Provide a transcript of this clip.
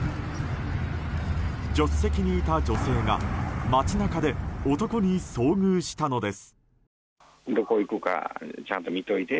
助手席にいた女性が街中で男に遭遇したのです。